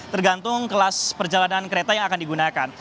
tergantung kelas perjalanan kereta yang akan digunakan